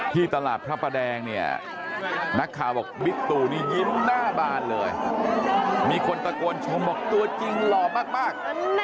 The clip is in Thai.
ที่ตลาดพระประแดงเนี่ยนักข่าวบอกบิ๊กตู่นี่ยิ้มหน้าบานเลยมีคนตะโกนชมบอกตัวจริงหล่อมาก